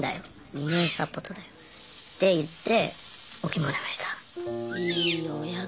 ２年サポートだよ」って言ってＯＫもらえました。